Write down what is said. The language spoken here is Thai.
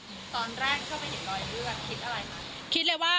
ตอนแรกเข้าไปเห็นรอยเลือดคิดอะไรมา